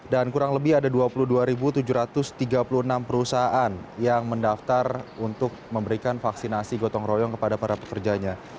dan kurang lebih ada dua puluh dua tujuh ratus tiga puluh enam perusahaan yang mendaftar untuk memberikan vaksinasi gotong royong kepada para pekerjanya